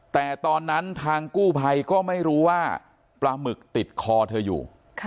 แต่ตอนนั้นทางกู้ภัยก็ไม่รู้ว่าปลาหมึกติดคอเธออยู่